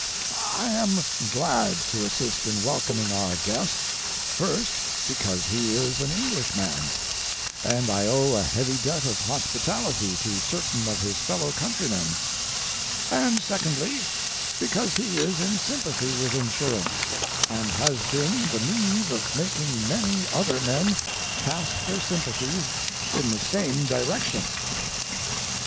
I am glad to assist in welcoming our guest—first, because he is an Englishman, and I owe a heavy debt of hospitality to certain of his fellow countrymen; and secondly, because he is in sympathy with insurance, and has been the means of making many other men cast their sympathies in the same direction.